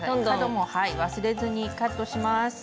角も忘れずにカットします。